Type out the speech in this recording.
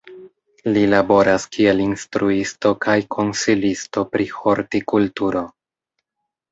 Li laboras kiel instruisto kaj konsilisto pri hortikulturo.